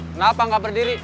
kenapa nggak berdiri